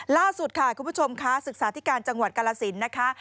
ล่าสุดค่ะคุณผู้ชมค่ะศึกษาธิการจังหวัดกาลสินนะคะ